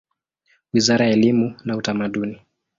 Wizara ya elimu na Utamaduni.